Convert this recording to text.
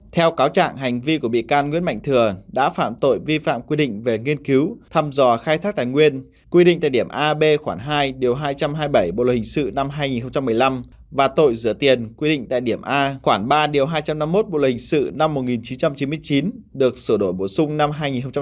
theo cáo trạng hành vi của bị can nguyễn mạnh thừa đã phạm tội vi phạm quy định về nghiên cứu thăm dò khai thác tài nguyên quy định tại điểm ab khoảng hai điều hai trăm hai mươi bảy bộ luật hình sự năm hai nghìn một mươi năm và tội rửa tiền quy định tại điểm a khoảng ba điều hai trăm năm mươi một bộ luật hình sự năm một nghìn chín trăm chín mươi chín được sửa đổi bổ sung năm hai nghìn một mươi bảy